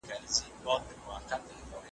هغو وژلي هغوی تباه کړو .